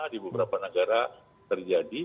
di beberapa negara terjadi